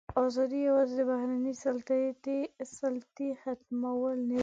ازادي یوازې د بهرنۍ سلطې ختمول نه دي.